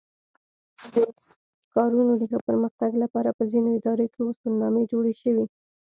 د کارونو د ښه پرمختګ لپاره په ځینو ادارو کې اصولنامې جوړې شوې.